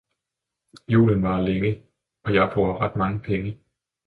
Julen varer længe - og jeg bruger ret mange penge.